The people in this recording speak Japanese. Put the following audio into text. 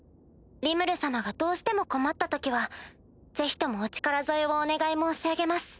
リムル様がどうしても困った時はぜひともお力添えをお願い申し上げます。